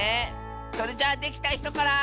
それじゃあできたひとから！